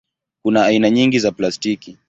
Kuna aina nyingi za plastiki.